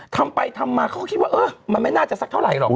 ทำไปทำมาเขาก็คิดว่าเออมันไม่น่าจะสักเท่าไหรหรอก